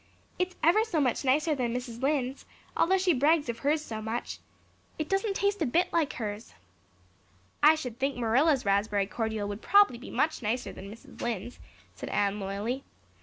"It's ever so much nicer than Mrs. Lynde's, although she brags of hers so much. It doesn't taste a bit like hers." "I should think Marilla's raspberry cordial would prob'ly be much nicer than Mrs. Lynde's," said Anne loyally.